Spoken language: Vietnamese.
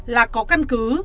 là có căn cứ